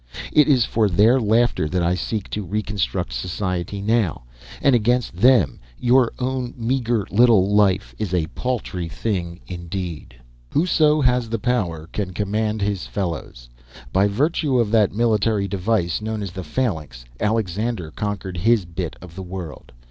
It is for their laughter that I seek to reconstruct society now; and against them your own meagre little life is a paltry thing indeed. "Whoso has power can command his fellows. By virtue of that military device known as the phalanx, Alexander conquered his bit of the world.